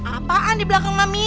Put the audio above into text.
apaan di belakang mami